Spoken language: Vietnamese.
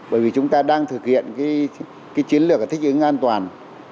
bởi vì chúng ta đang thực hiện chiến lược thích ứng an toàn